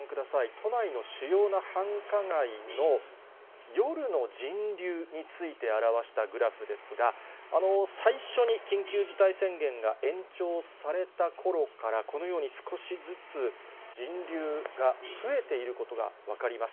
都内の主要な繁華街の夜の人流について表したグラフですが、最初に緊急事態宣言が延長されたころから、このように、少しずつ人流が増えていることが分かります。